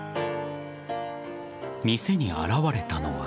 店に現れたのは。